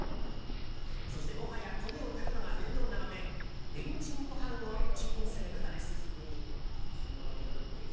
そして、もはや米を炊くのが面倒なのでレンチンご飯をチンすることです。